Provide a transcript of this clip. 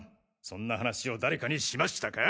そんな話を誰かにしましたか？